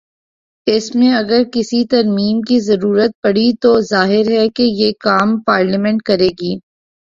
اس میں اگر کسی ترمیم کی ضرورت پڑی تو ظاہر ہے کہ یہ کام پارلیمنٹ کر ے گی۔